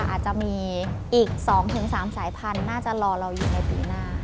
อาจจะมีอีก๒๓สายพันธุ์น่าจะรอเราอยู่ในปีหน้า